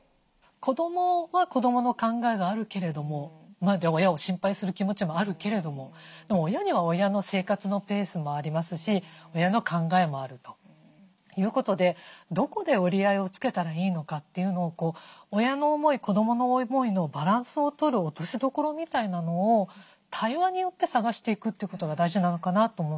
子どもは子どもの考えがあるけれども親を心配する気持ちもあるけれども親には親の生活のペースもありますし親の考えもあるということでどこで折り合いをつけたらいいのかというのを親の思い子どもの思いのバランスを取る落としどころみたいなのを対話によって探していくってことが大事なのかなと思うんですね。